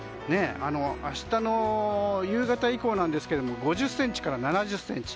明日の夕方以降ですが５０ｃｍから７０ｃｍ。